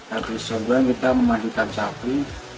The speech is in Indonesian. habis sombong kita memandikan sapi